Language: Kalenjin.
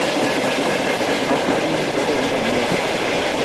akwerin agoe imei